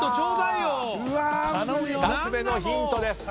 ２つ目のヒントです。